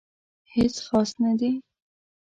هیڅ خاص نه دي